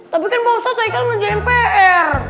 tapi kan pak ustadz saya kan ngerjain pr